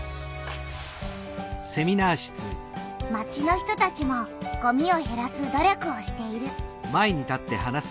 町の人たちもごみをへらす努力をしている。